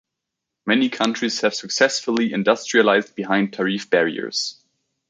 Many countries have successfully industrialized behind tariff barriers.